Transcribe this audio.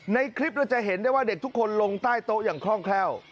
ในคลิปเราจะเห็นได้ว่าเด็กทุกคนลงใต้โต๊ะอย่างคล่องแคล่ว